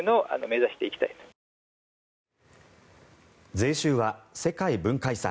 税収は世界文化遺産